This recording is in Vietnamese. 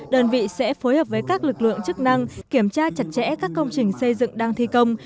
đơn vị sẽ phối hợp với các lực lượng chức năng kiểm tra chặt chẽ các công trình xây dựng đang thi công